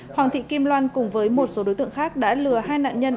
hoàng thị kim loan cùng với một số đối tượng khác đã lừa hai nạn nhân